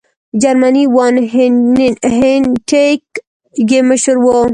جرمنی وان هینټیګ یې مشر وو.